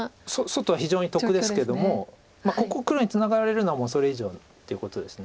外は非常に得ですけどもここを黒にツナがられるのはそれ以上ということです。